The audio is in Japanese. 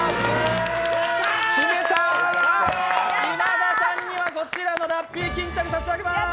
今田さんにはこちらのラッピー巾着差し上げます。